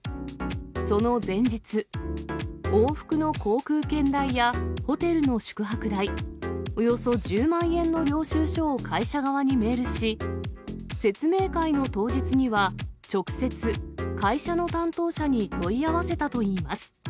その前日、往復の航空券代やホテルの宿泊代、およそ１０万円の領収書を会社側にメールし、説明会の当日には直接、会社の担当者に問い合わせたといいます。